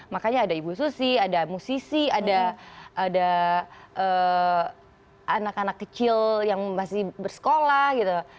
makanya ada ibu susi ada musisi ada anak anak kecil yang masih bersekolah gitu